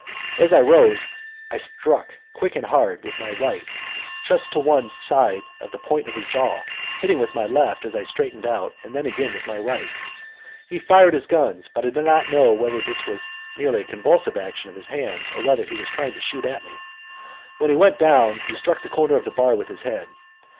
As I rose, I struck quick and hard with my right just to one side of the point of his jaw, hitting with my left as I straightened out, and then again with my right. He fired the guns, but I do not know whether this was merely a convulsive action of his hands or whether he was trying to shoot at me. When he went down he struck the corner of the bar with his head.